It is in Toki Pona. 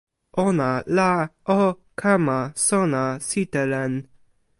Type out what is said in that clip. ona la o kama sona sitelen.